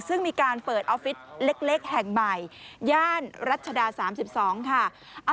ซึ่งมีการเปิดออฟฟิศเล็กแห่งใหม่ย่านรัชดา๓๒ค่ะ